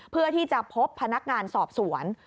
เพื่อที่จะพบพนักงานสอบสวน